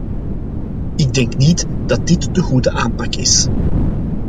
Ik denk niet dat dit de goede aanpak is.